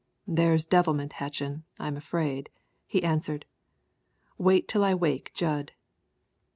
"There's devilment hatchin', I'm afraid," he answered. "Wait till I wake Jud."